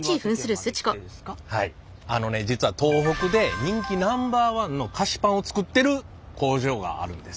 あのね実は東北で人気Ｎｏ．１の菓子パンを作ってる工場があるんです。